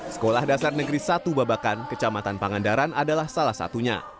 sekolah dasar negeri satu babakan kecamatan pangandaran adalah salah satunya